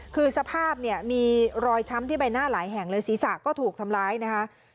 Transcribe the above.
คือสภาพเนี่ยมีรอยช้ำที่ใบหน้าหลายแห่งเลยศีรษะก็ถูกทำร้ายนะคะ